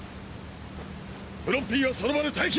フロッピーはその場で待機！